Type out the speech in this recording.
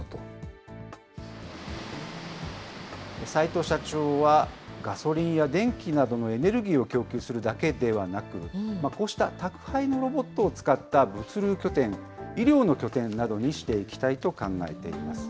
齊藤社長は、ガソリンや電気などのエネルギーを供給するだけではなく、こうした宅配のロボットを使った物流拠点、医療の拠点などにしていきたいと考えています。